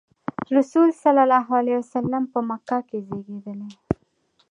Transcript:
رسول الله ﷺ په مکه کې زېږېدلی.